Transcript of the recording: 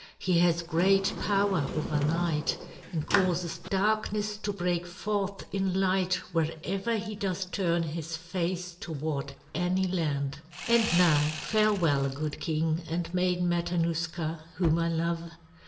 He has great power over night and causes darkness to break forth in light wherever he does turn his face toward any land. "And now farewell, good king and Maiden Matanuska, whom I love.